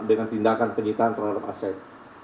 dengan tindakan penyitaan terhadap aset